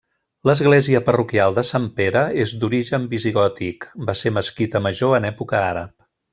L'església parroquial de Sant Pere és d'origen visigòtic, va ser mesquita major en època àrab.